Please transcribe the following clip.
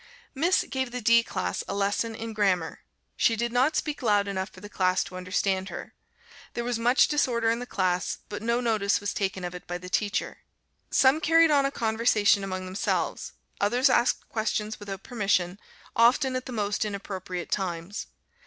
Miss gave the D class a lesson in Grammar. She did not speak loud enough for the class to understand her. There was much disorder in the class, but no notice was taken of it by the teacher. Some carried on a conversation among themselves, others asked questions without permission, often at the most inappropriate times.